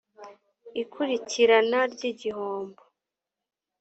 ikurikirana ry’ igihombo